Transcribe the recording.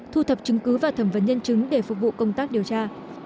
thu thập chứng cứ và thẩm vấn nhân chứng để phục vụ công tác điều tra